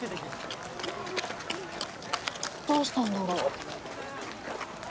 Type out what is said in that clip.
どうしたんだろう？